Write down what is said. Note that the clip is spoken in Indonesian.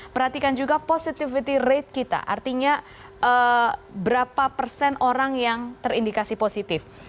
perhatikan juga positivity rate kita artinya berapa persen orang yang terindikasi positif